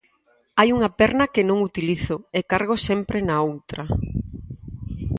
Hai unha perna que non utilizo e cargo sempre na outra.